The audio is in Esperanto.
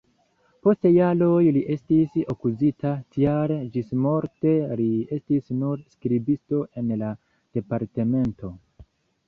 Post jaroj li estis akuzita, tial ĝismorte li estis nur skribisto en la departemento.